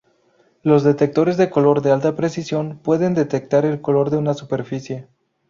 Los detectores de color de alta precisión pueden detectar el color de una superficie.